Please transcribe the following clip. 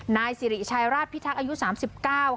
นายสิริชัยราชพิทักษ์อายุ๓๙ค่ะ